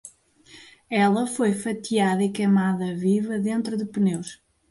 Ela foi fatiada e queimada vida, dentro de pneus